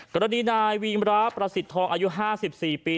กรณีนายวีมระประสิทธิ์ทองอายุ๕๔ปี